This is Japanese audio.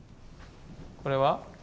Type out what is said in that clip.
これは？